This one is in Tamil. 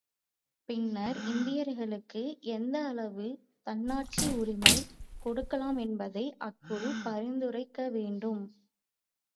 பின்னர், இந்தியர்களுக்கு எந்த அளவு தன்னாட்சி உரிமை கொடுக்கலாம் என்பதை அக்குழு பரிந்துரைக்க வேண்டும்.